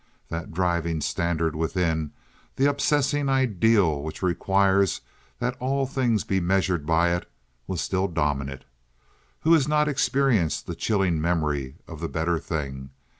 That driving standard within—that obsessing ideal which requires that all things be measured by it—was still dominant. Who has not experienced the chilling memory of the better thing?